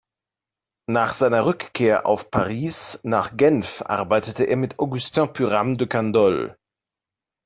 Nach seiner Rückkehr auf Paris nach Genf arbeitete er mit Augustin-Pyrame de Candolle.